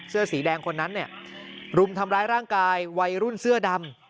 เสื้อสีแดงคนนั้นเนี่ยรุมทำร้ายร่างกายวัยรุ่นเสื้อดำ